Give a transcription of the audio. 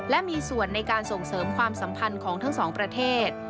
และมีส่วนในการส่งเสริมความสัมพันธ์ของทั้งสองประเทศ